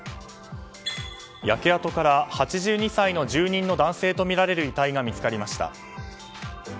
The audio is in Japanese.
焼け跡から８２歳の住人の男性とみられる遺体が見つかりました。